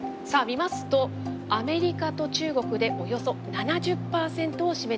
さあ見ますとアメリカと中国でおよそ７０％を占めています。